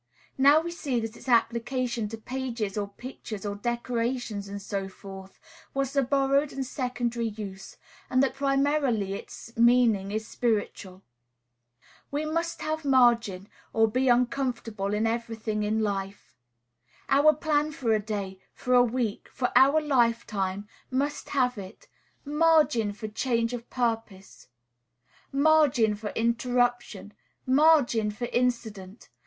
Now we see that its application to pages, or pictures, or decorations, and so forth, was the borrowed and secondary use; and that primarily its meaning is spiritual. We must have margin, or be uncomfortable in every thing in life. Our plan for a day, for a week, for our lifetime, must have it, margin for change of purpose, margin for interruption, margin for accident.